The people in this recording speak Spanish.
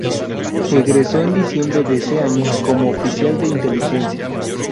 Egresó en diciembre de ese año como oficial de inteligencia.